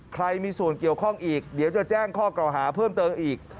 ใครมีส่วนเกี่ยวข้องอีกเดี๋ยวจะแจ้งข้อกล่าวหาเพิ่มเติมอีก